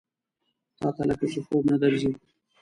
تاته لکه چې خوب نه درځي؟